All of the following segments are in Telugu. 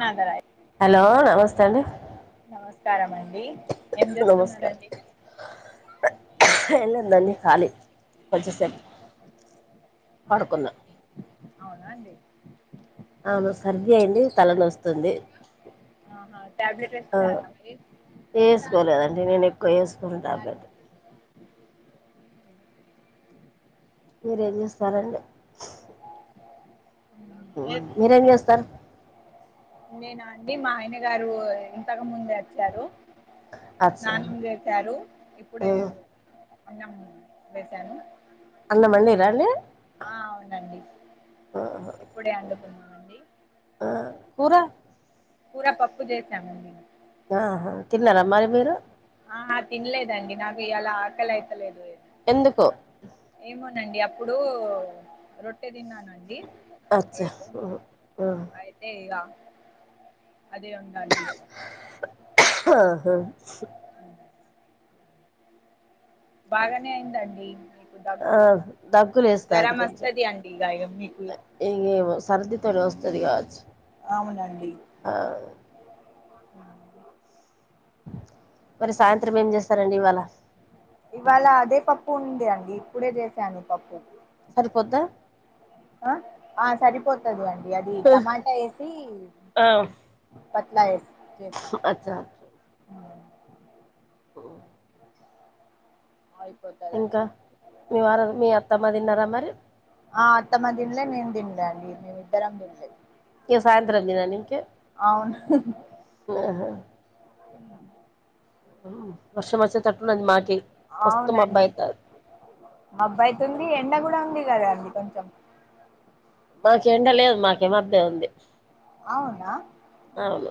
గేదరై హలో నమస్తే అండి నమస్కారం అండి ఏం నమస్కారం చెప్తున్నారండి ఏం లేదండి కాళీ కొంచెం సేపు పడుకుంన అవునా అండి అవును సర్ది అయింది తల నొస్తుంది ఆహా ట్యాబ్లెట్ వేసుకున్నారా వేసుకోలేదండి నేను ఎక్కువ వేసుకోను మరి టాబ్లెట్ మీరేం చేస్తరండి ఏం మీరేం చేస్తారు నేను అండి మా ఆయన గారు ఇంతకు ముందే వచ్చారు అచ్చా స్నానం చేశారు ఇప్పుడే అన్నం పెట్టాను. అన్నం అండి రా అండి ఆ అవునండి ఆహా. ఇప్పుడే అండుకున్నామండి. ఆ కూర కూర పప్పు చేశామండి ఆహ తిన్నారా మరి మీరు ఆ తినలేదండి నాకు ఇవాళ ఆకలైతలేదండి ఎందుకో ఏమోనండి అప్పుడు రొట్టే తిన్నానండి అచ్చా రేటు అయితే ఇక అదే ఉందండి. ఆహా ఉమ్. బాగానే అయిందండి మీకు ఆ దగ్గు. దగ్గు లేస్తాది జ్వరం వస్తది అండి ఇగ మీకు ఏ ఇగ ఏమో సర్ది తోటి వస్తది కావచ్చు అవునండి. ఆ మరి సాయంత్రం ఏం చేస్తారండి ఇవాళ ఇవాళ అదే పప్పు ఉంది అండి ఇప్పుడే చేసాను పప్పు. సరిపోద్దా ఆ ఆ సరిపోతుంది అండి అది టమాటా వేసి ఆ పతలా ఎస్స [unintelligible] అచ్చా. [unintelligible] ఓ ఇంకా అయిపోతదండి మీ వారు మీ అత్తమ్మ తిన్నారా మరి ఆ అత్తమ్మ తిన్లే నేను తినలే అండి మేమి ఇద్దరం తినలేదు ఇగ సాయంత్రాం తిన నీకే ఆహా వర్షం వచ్చే తట్టున్నది మాకే అవునండి అబ్బాయితు [unintelligible] ఉంది ఎండ కూడా ఉంది కదాండి కొంచెం. మాక ఎండ లేదు మాకే మబ్బే ఉంది అవునా అవును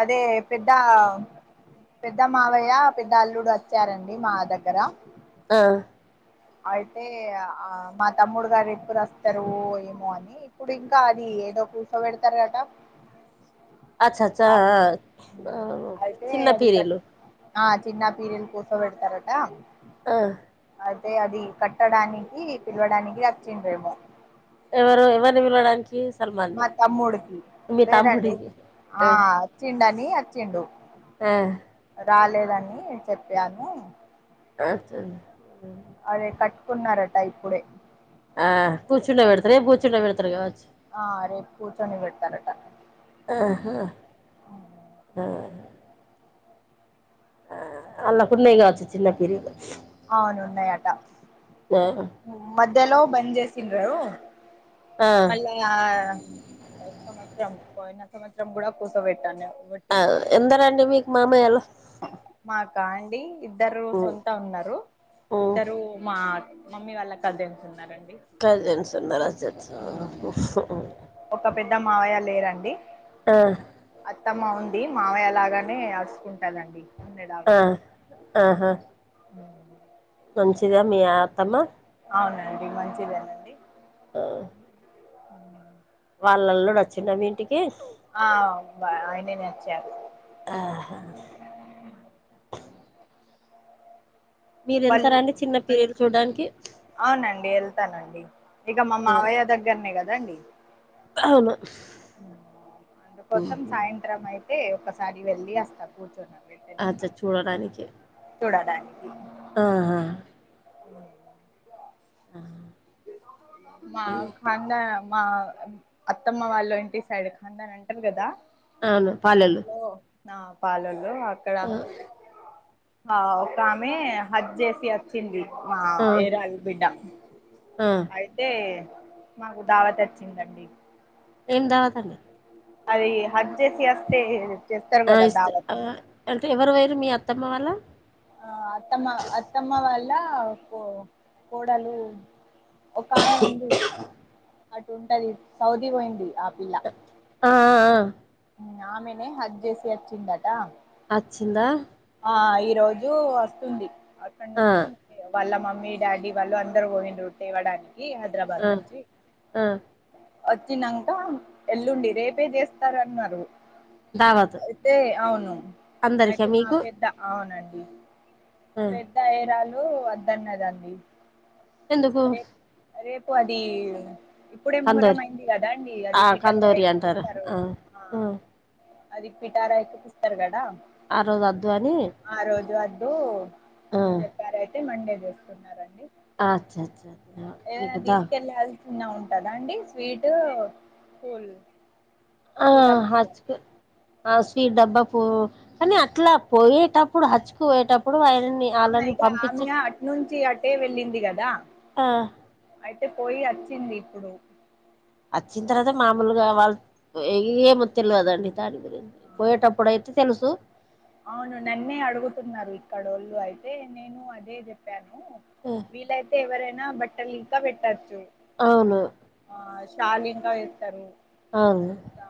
అదే పెద్ద పెద్ద మావయ్య పెద్ద అల్లుడు వచ్చారండి మా దగ్గర ఆ అయితే ఆ మా తమ్ముడు గారు ఎప్పుడు వస్తారు ఏమో అని ఇప్పుడు ఇంకా అది ఏదో కూర్సో పెడతారు గటా అచ్చ అచ్చ ఆ అయితే చిన్న అది కట్ పీరీలు ఆ చిన్న పీరలు కూస పెడతారట ఆ అయితే అది కట్టడానికి పిలవడానికి రచ్చిండేమో ఎవరు ఎవరిని పిలవడానికి మా సల్మాన్ని తమ్ముడికి మీ వేరండి తమ్ముడిని ఆ వచ్చిండు అని వచ్చిండు. ఆ రాలేదని చెప్పాను. ఆ [unintelligible] అదే కట్టుకున్నారట ఇప్పుడే. ఆ కూచుండ పెడుతుతే రేపు కూచుండ పెడుతురుగాచ్చ. ఆ రేపు కూర్చొని పెడతారట. ఆహా ఆ. ఆ అల్లాకున్న కావచ్చు చిన్న పిరిలు అవునున్నాయట.. ఆహా మధ్యలో బంద్ చేసిన్రారు. ఆ మళ్ళ ఆ సంవత్సరం [unintelligible] పోయినా సంవత్సరం కూడా కూత పెట్టను ఆ ఎందరండి మీకు మావయ్యలు మా కా అండి ఇద్దరు ఉమ్ సొంత ఉన్నారు ఉమ్ ఇద్దరు మా మమ్మీ వాళ్ళ కజన్స్ ఉన్నారండి. కజన్స్ందరస్ [unintelligible] ఒక పెద్ద మావయ్య లేరండి. ఆ అత్తమ్మ ఉంది మామయ్యలాగానే ఆడుచకుంటందండి. ఉందిే [unintelligible] ఆ లాాగానే. ఆహా మంచిదా మీ ఆత్తమ్మా అవునండి మంచిదేనండి మ్ వాళ్ళల్లుడు వచ్చిండ మీ ఇంటికి. ఆ ఆయ్నినే వచ్చారు ఆహా మీరు వాళ్ళు ఎళ్తారా అండి చిన్న పేర్లు చూడ్డానికి అవునండి వెళ్తానండి ఇగ మా మావయ్య దగ్గరనే కదండి అవును అందుకోసం సాయంత్రం అయితే ఒకసారి వెళ్ళి వస్తా కూర్చున్న అ చర్ చూడడానికి చూడడానికి ఆహా ఆ మాక్ హండ మా అత్తమ్మ వాళ్ళు ఇంటి సైడ్ ఖండన్ అంటారు కదా అవును పాలేల్లు పాలోళ్ళు అక్కడ ఒక ఆమె హజ్జేసి చింది మా ఆ ఏడాది బిడ్డ ఆ అయితే మాకు దావత్ తెచ్చిందండి ఏందావత అది హజ్జేసి అస్తే చేస్తారు ఆ కదా ఇస్తారు దావత్ ఆహ్, అంటే ఎవరు వైరు మీ అత్తమ్మ వాళ్ళ ఆ అత్తమ్మ అత్తమ్మ వాళ్ల్ళ కో కోడలు ఒక ఆమె ఉంది అటు ఉంటది సౌదీ పోయింది ఆ పిల్ల ఆహ్హ్ ఆమెనే హజ్జేసి అచ్చిందట. అచ్చింద ఆ ఈ రోజు వస్తుంది అక్కడ ఆ నుంచి వాళ్ళ మమ్మీ డాడీ వాళ్ళు అందరు పోయిండ్రు తేవడానికి హైదరాబాద్ ఆ నుంచి ఆ వచ్చినంక ఎల్లుండి రేపే జేస్తారన్నారు. దావత్ అయితే అవును అందరికా అయితే మా మీకు పెద్ద అవునండి ఆ పెద్ద అయ్రాలు వద్దన్నదండి ఎందుకు రేప్ రేపు అది ఇప్పుడే ముహరం కందోరి అయింది కదా అండి అది ఆ పిఠారా కందోరి అంటారు ఎక్కిస్తారు ఆ అది పిఠార ఎక్కి పిస్తారు గడా ఆ రోజు వద్దు అని ఆ రోజు అద్దు ఆ అని చెప్ గరయితే మండే చేస్తున్నారండి అచ్చచ ఏదైనా తీసుకెళ్ళె ఎళ్ళతున్న ఉంటందా అండి స్వీటు పూల్ ఆ పూలహారం హచ్కే ఆ స్వీట్ డబ్బా పో కానీ అట్లా పోయేటప్పుడు హచ్చుకు ఓయేటప్పుడు వాయల్ ఆహా ఆళ్ళని ఇక ఆమె పంపించె అటు నుంచి అటే వెళ్ళింది కదా ఆ అయితే పోయి వచ్చింది ఇప్పుడు వచ్చిన తర్వాత మామూలుగా వాళ్ళు ఏమో తేల్వదండి దాని గురి ఆహా పోయేటప్పుడు అయితే తెలుసు అవును అన్నీ అడుగుతున్నారు ఇక్కడోళ్ళు అయితే నేను అదే చెప్ చెప్పాను వీళ్లైతే ఎవరైనా బట్టలు ఇంకా పెట్టచ్చు అవును ఆ షాలి ఇంకా వేస్తారు అవును ఆ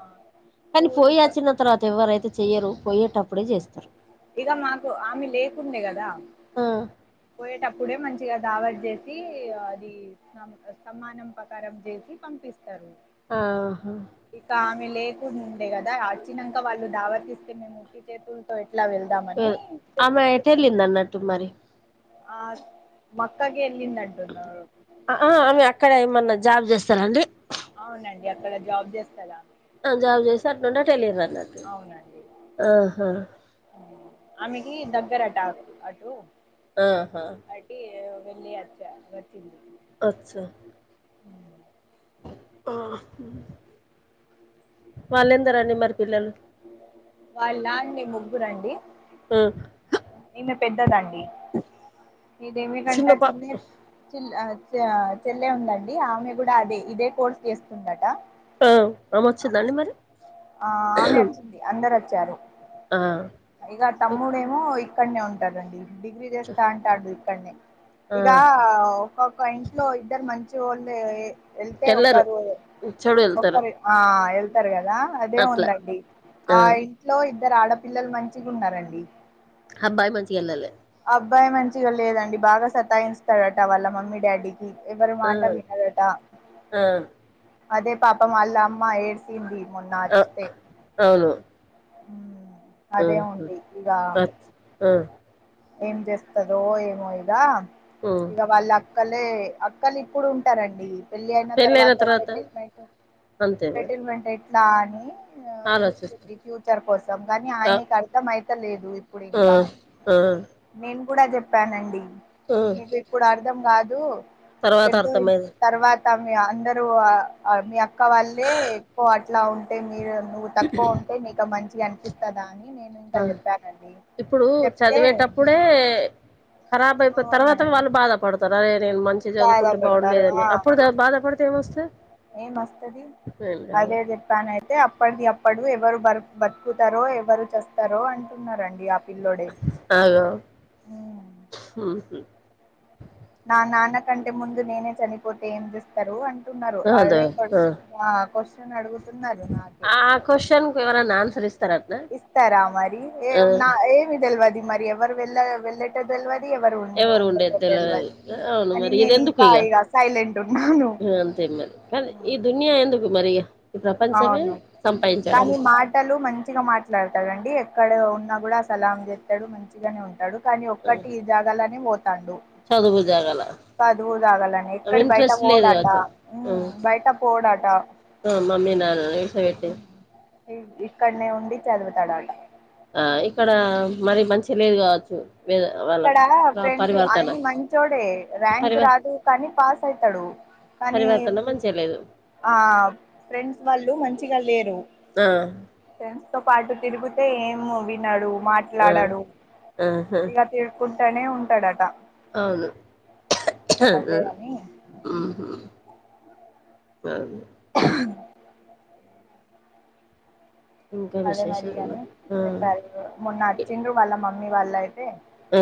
కానీ కూల్ పోయి వచ్చిన తర్వాత ఎవరైతే చెయరు పోయేటప్పుడే చేస్తారు ఇగ మాకు ఆమె లేకుండే కదా ఆ పోయేటప్పుడే మంచిగా దావత్ చేసి అది సం సమ్మనం ప్రకారం చేసి పంపిస్తారు ఆహా ఇక ఆమె లేకుండా కదా వచ్చినాక వాళ్ళు తావత్ ఇస్తే మేము ఉట్టి చేతులతో ఎట్లా వెళ్తాం ఆమె ఎటు ఎళ్ళిందన్నట్టు మరి ఆ మక్కకి ఎల్లిందంటున్నారు ఆ ఆమె అక్కడ ఏమన్నా జాబ్ చేస్తారాండి అవునండి అక్కడ జాబ్ చేస్తాది ఆమె ఆ జాబ్ చేసి అట్లుండటు వెళ్ళిరు అన్నట్టు అవునండి ఆహా ఆమెకి దగ్గరట అటు ఆహా అట్టి వెళ్ళి వచ్చ వచ్చింది అచ్చా ఉమ్. వాళ్లెందరండీ మరి పిల్లలు వాళ్ళ అండి ముగ్గురండి ఉ ఈమె పెద్దదండి ఇదేమ కంట చిన్న చిల్ చెల్లె ఉందండి ఆమె కూడా అదే ఇదే కోర్స్ చేస్తుందట ఆ ఆమె వచ్చిందండి మరి ఆమె వచ్చింది అందరు వచ్చారు ఆ ఇక అచ్చా తమ్ముడేమో ఇక్కడనే ఉంటారండి డిగ్రీ చేస్తుంటాడు ఇక్కనే ఇకా ఆ ఒక్కొక్క ఇంట్లో ఇద్దరు మంచి వాళ్ళు వెళ్తే ఎల్లరు ఒకరు ఇచ్చోడు వెళ్తారు ఒకరు ఆ వెళ్తారు కదా అదే అట్లా ఉందండి ఆ ఇంట్లో ఇద్దరు ఆడపిల్లలు మంచిగా ఉన్నారండి అబ్బాయి మంచిగా ఎళ్లాలే అబ్బాయి మంచిగా లేదండి బాగా సతాయిస్తాడట వాళ్ళ మమ్మీ డాడీ ఎవరు ఆ మాట వినదటా ఆ అదే పాపం వాళ్ల అమ్మా ఏ డ్చింది మొన్న ఆ వస్తె అవును ఆ అదే ఉంది ఇక ఆ ఏం చేస్తదో ఏమో ఇగా ఉ ఇక వాళ్ళ అక్కలే అక్కలు ఇప్పుడు ఉంటారండి వెళ్ళి అయిన తర్వాత సెటిల్మెంట్ అంతే మరి సెటిల్మెంట్ ఎట్లా అని ఆలోచిస్తా చూస్తుంది ఫ్యూచర్ కోసం కానీ ఆ ఆయనకి అర్థం అయితలేదు ఇప్పుడు ఆ ఇంకా ఆ నేను కూడా చెప్పానండి ఆ మీకు ఇప్పుడు అర్ధం కాదు తర్వాత పెద్ద అయి అర్థమైంది తర్వాత మీ అందరూ మీ అక్క వాళ్ళే ఎక్కువ అట్లా ఉంటే మీరు ను కు ఉంటే నీతో మంచిగా అనిపిస్తదా అని నేను ఇంత ఆ చెప్పానండి. ఇప్పుడు చెప్తే చదివేటప్పుడే ఖరాబ్ అయిపో తర్వాత అవునండి వాళ్ళు బాధపడు సరేలే నేను మంచి బాగా చదువుకుంటే పెడతారు బాగుండేదని అప్పుడు బాధపడితే ఏం వొస్తా ఏ మస్తది అదే అదే ప్యాన్ అయితే అప్పటిది అప్పుడు ఎవరు బ బతుకుతారో ఎవరు చేస్తారో అంటు టున్నారండి ఆ పిల్లోడే ఆ మ్హు నా నాన్న కంటే ముందు నేనే చనిపోతే ఏం చేస్ తారు అంటున్నారు అదే క్వశ్చన్, క్వశ్చన్ అడుగుతున్నారు నాకు ఆ ఆ క్వశ్చన్ కి ఎవరన్నా ఆన్సర్ ఇస్ ఇస్తారా మరి ఏ నా ఏమి తెలివది మరి ఎవరు వెళ్ళ వెళ్ళ పె తెలవది ఎవరు ఉన్న ఉండేది ఉండది తెలివది తెలవదు అవును అని మరి నేను ఇంకా ఇగ సైలెంట్ ఉన్నాను ఇంగ అంతే మరి కానీ ఈ దునియా ఎందుకు మరి ఇగ ఈ ప్రపంచమే సంపాయించడానికి. బట్టలు మంచిగా మాట్లాడతాడండి ఎక్కడ ఉన్నా కూడా సలాం చెస్తాడు మంచిగానే ఉంటాడు కానీ ఒక్కటి ఈ జాగాలోనే పోతాండు చదువు జాగాల చదువు సాగాలని ఎక్కడ బయట పోడట కావచ్చు ఆ మ్ బయట పోడట ఆ మమ్మీ నా ఏసపెట్టే ఇ ఇక్కడనే ఉండి చదువుతాడట ఆ ఇక్కడ మరి మంచి లేదు కావచ్చు. వేద ఇక్కడ వాళ్ళకు ఆ ఫ్రెండ్స్ పరివర్తన ఆయన మంచోడే ర్యాంక్ పరివ రాదు కానీ పాస్ అయితడు. పరివర్తన మంచిగలేదు ఆ ఫ్రెండ్స్ వాళ్ళు మంచిగ లేరు. ఆ ఫ్రెండ్స్ తో పాటు తిరుగుతే ఏం వినడు ఆ మాట్లాడడు ఆహా ఇగ తిరుక్కుంటానే ఉంటాడట. అవును అదే అని మ్ మ్హు సరే ఇంకా అదే విశేషాలు మరిగాని మరి చెప్పారు మొన్న వచ్చిండ్రు వాళ్ళ మమ్మీ వాళ్ అయితే ఆ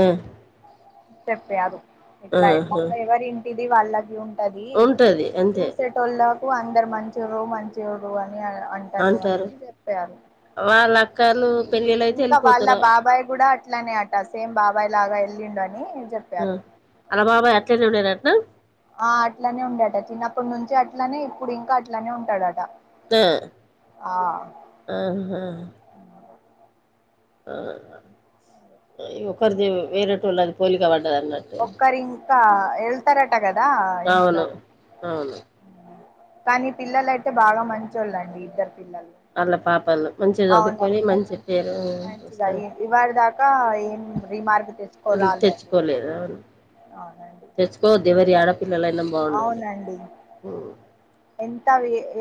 చెప్పారు ఇట్ల ఇట్ల ఆహా ఎవరి ఇంటిది వాళ్ళకి ఉన్ ఉంటది అంతే. టోళ్ళకు అందరు మంచిరు మంచిరు అని అంటారు అని చెప్పారు వాళ్ళు అక్కళ్లు పెళ్ళిళ్ళయితే ఎళ్ళిపోతరు బాయిగుడ ఇట్లనే అట సేమ్ బాబాయ్ లాగా ఎల్లిండు అని చెప్ మ్ ఆళ్ల బాబాయ్ అట్లనే ఉండనంటన ఆ అట్లనే ఉండట చిన్నప్పటి నుంచి అట్లనే ఇప్పుడు ఇంకా అట్లనే ఉంటాడట ఆ ఆ ఆహ ఆ ఈ ఒక్కరిది వేరటోల్లది పోలిక పడ్డదన్నట్టు ఒక్కరు ఇంకా ఎళ్తరట కదా ఇంట్లో అవును అవును కానీ పిల్లల అయితే బాగా మంచోళ్ళండి ఇద్దరు పిల్లలు వాళ్ళ పాపలు మంచిగా చదువుకొని అవునండి మంచి పేరు వస్తది మంచిగాఇంది ఇవ్వారి దాక్ కా ఏం రిమార్క్ తెచ్చుకోరాలె అండి తెరు అవునండి తెచ్చుకోవద్ ఏవరి ఆడా పిల్లలైన అవునండి ఎంత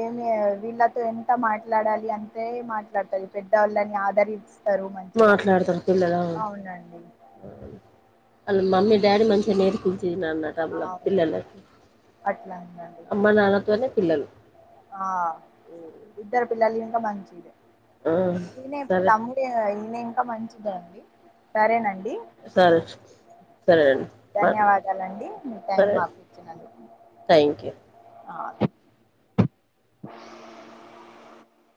ఏమి వీళ్ళతో ఎంత మాట్లాడాలి అంతె మాట్లాడుతది పెద్దవాళ్ళని ఆదరిస్తరు మంచిగా మాట్లాడతారు పిల్లలు అవునండి వాళ్ళ మమ్మీ డాడీ మంచిగ నేర్పించిళ్ళన్న టళ్ళ అవును పిల్లలకి అట్లానండి అమ్మా నాన్నతోనె పిల్లలు ఆ ఇద్దరు పిల్లాలింకా మంచిది ఆ ఇనే సరే తమ్ము తె ఇంగ ఇంకా మంచిదే అండి సరేనండి సరే ఆ సరేనండి మాట్లా ధన్యవాదాలండి మీ టైమ్ సరే మాకు ఇచ్చినందుకు థ్యాంక్ యూ ఆ